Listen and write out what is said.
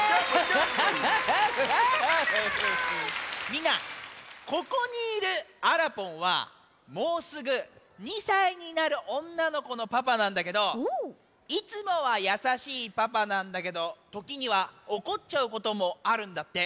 みんなここにいるあらぽんはもうすぐ２さいになるおんなのこのパパなんだけどいつもはやさしいパパなんだけどときにはおこっちゃうこともあるんだって。